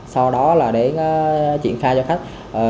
sau đó là đến triển khai cho khách